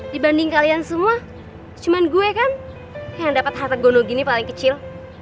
dibanding kalian semua cuma gue kan yang dapat harta gono gini paling kecil